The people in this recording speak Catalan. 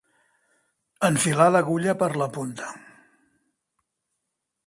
Enfilar l'agulla per la punta.